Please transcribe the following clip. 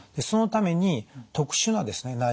そのために特殊なですね